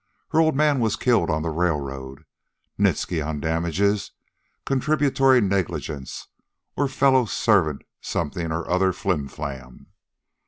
Her old man was killed on the railroad. Nitsky on damages contributory negligence, or fellow servant something or other flimflam.